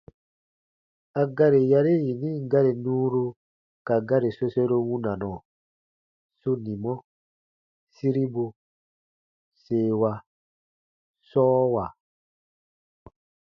A gari yari yinin gari nuuru ka gari soseru wunanɔ: sunimɔ- siribu- seewa- sɔɔwa.